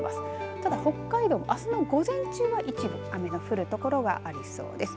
ただ北海道あすの午前中は一部雨が降る所がありそうです。